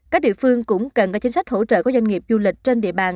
các địa phương cũng cần có chính sách hỗ trợ các doanh nghiệp du lịch trên địa bàn